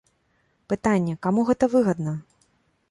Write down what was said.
Пытанне, каму гэта выгадна?